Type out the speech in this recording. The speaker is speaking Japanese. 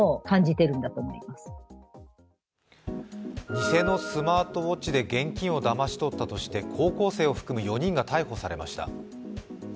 偽のスマートウォッチで現金をだまし取ったとして高校生を含む４人が逮捕されました。